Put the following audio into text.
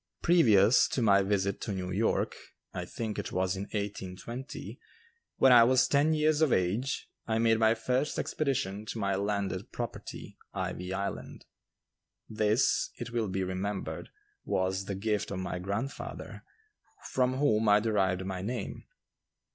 Previous to my visit to New York, I think it was in 1820, when I was ten years of age, I made my first expedition to my landed property, "Ivy Island." This, it will be remembered, was the gift of my grandfather, from whom I derived my name.